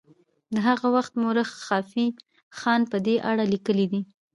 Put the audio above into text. د هغه وخت مورخ خافي خان په دې اړه لیکلي دي.